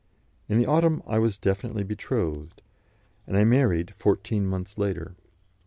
In the autumn I was definitely betrothed, and I married fourteen months later.